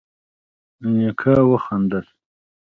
نيکه وخندل: